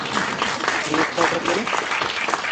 Әйүп ҡәҙерлем!